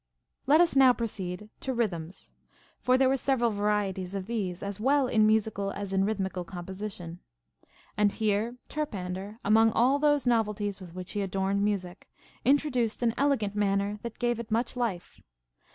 12. Let us now proceed to rhythms ; for there Avere several varieties of these, as well in musical as in rhythmi cal composition. And here Terpander, among all those novelties with which he adorned music, introduced an elegant manner, that gave it much life.